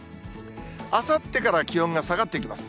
あさってから気温が下がってきます。